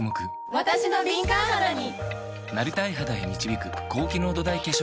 わたしの敏感肌に！